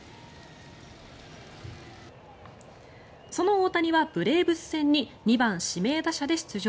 その大谷はブレーブス戦に２番指名打者で出場。